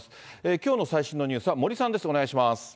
きょうの最新のニュースは森さんです、お願いします。